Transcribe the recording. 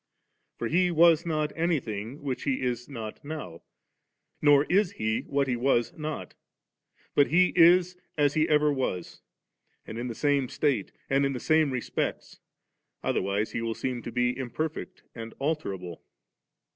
For He was not anything which He is not now, nor is He what He was not ; but He is as He ever was, and in the same state and in the same respects; otherwise He will seem to be im perfect and alterable.